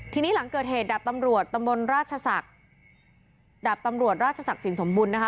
ทีนี้หลังเกิดเหตุดับตำรวจตำบลราชศักดิ์ดับตำรวจราชศักดิ์สินสมบุญนะคะ